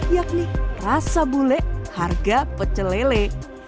yakni rasa bule harga pecelele